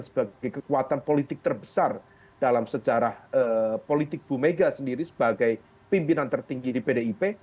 dan yang dibungkolkan sebagai kekuatan politik terbesar dalam sejarah politik bumega sendiri sebagai pimpinan tertinggi di pdip